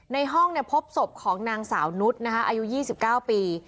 ในห้องพบศพของนางสาวนุษย์อายุ๒๙ปี